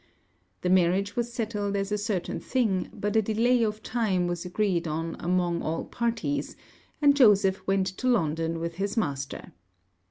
The marriage was settled as a certain thing; but a delay of time was agreed on among all parties; and Joseph went to London with his master.